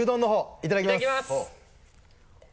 いただきます！